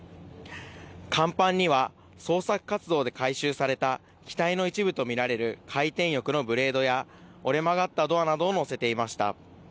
甲板には捜索活動で回収された機体の一部と見られる回転翼のブレードや、折れ曲がったドアなどを載せていました。